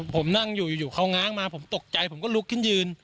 ผมนั่งอยู่อยู่เขาง้างมาผมตกใจผมก็ลุกขึ้นยืน